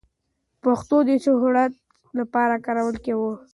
موږ د پښتو د شهرت لپاره کار کوو.